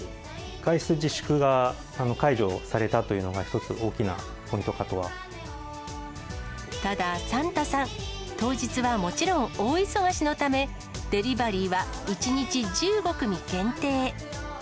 外出自粛が解除されたというのが、ただ、サンタさん、当日はもちろん、大忙しのため、デリバリーは１日１５組限定。